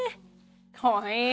かわいい。